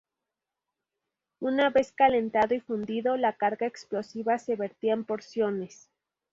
Una vez calentado y fundido, la carga explosiva se vertía en porciones.